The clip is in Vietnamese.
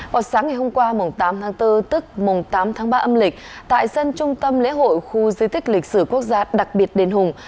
vào sáng ngày hôm qua mùng tám tháng bốn tức mùng tám tháng ba âm lịch tại sân trung tâm lễ hội khu di tích lịch sử quốc gia đặc biệt đền hùng